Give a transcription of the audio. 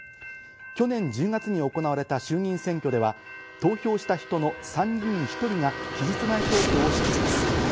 去年１０月に行われた衆議院選挙では投票した人の３人に１人が期日前投票をしています。